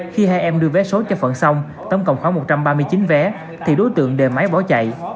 khi hai em đưa vé số cho phận xong tổng cộng khoảng một trăm ba mươi chín vé thì đối tượng đề máy bỏ chạy